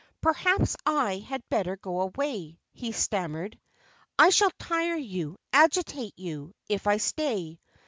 "Perhaps I had better go away," he stammered. "I shall tire you, agitate you, if I stay.